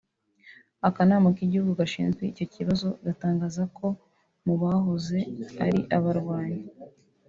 Akanama k’igihugu gashinzwe icyo kibazo gatangaza ko mu bahoze ari abarwanyi